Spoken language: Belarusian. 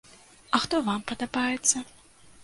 А хто вам падабаецца?